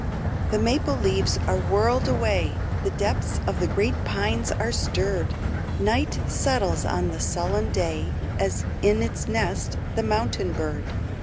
The maple leaves are whirled away, The depths of the great pines are stirred; Night settles on the sullen day As in its nest the mountain bird.